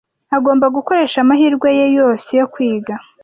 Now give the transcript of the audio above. Agomba gukoresha amahirwe ye yose yo kwiga.